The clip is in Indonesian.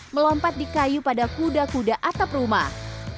melompat di kayu pada kuda kuda atap rumah